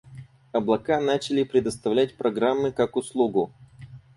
Облака начали предоставлять программы как услугу.